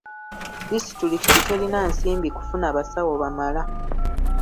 Disitulikiti terina nsimbi kufuna basawo bamala.